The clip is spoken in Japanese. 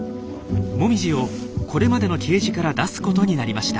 もみじをこれまでのケージから出すことになりました。